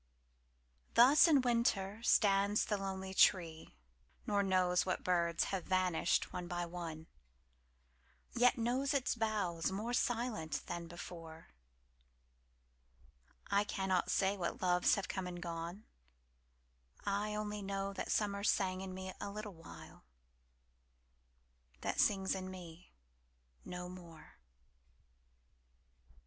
Thus in the winter stands the lonely tree, Nor knows what birds have vanished one by one, Yet knows its boughs more silent than before: I cannot say what loves have come and gone; I only know that summer sang in me A little while, that in me sings no more.